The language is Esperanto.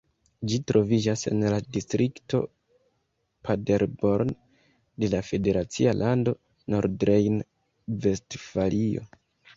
Ĝi troviĝas en la distrikto Paderborn de la federacia lando Nordrejn-Vestfalio.